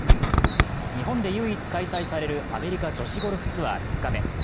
日本で唯一開催されるアメリカ女子ゴルフツアー３日目。